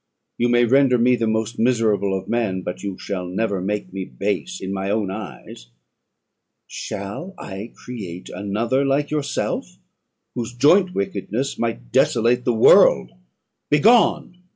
You may render me the most miserable of men, but you shall never make me base in my own eyes. Shall I create another like yourself, whose joint wickedness might desolate the world. Begone!